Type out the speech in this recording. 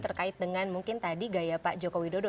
terkait dengan mungkin tadi gaya pak jokowi dodo